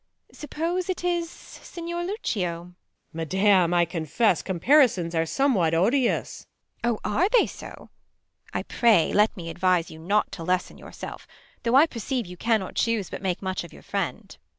Suppose it is Signior Lucio 1 Luc. Madam, I confess, comparisons Are somewhat odious. Beat. 0, are they so '? I pray let me advise you Not to lessen yourself; though I perceive You cannot chuse but make much of your friend.